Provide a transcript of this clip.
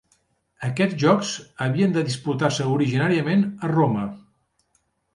Aquests Jocs havien de disputar-se originàriament a Roma.